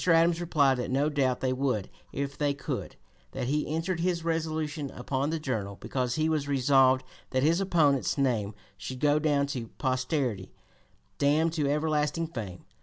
Adams replied that no doubt they would if they could; that he entered his resolution upon the Journal because he was resolved that his opponent's "name should go down to posterity damned to everlasting fame."